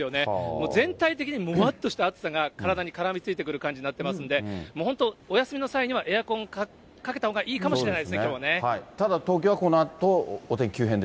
もう全体的にもわっとした暑さが体に絡みついてくる感じになってますんで、もう本当、お休みの際にはエアコンかけたほうがいいかただ、東京はこのあとお天気はい。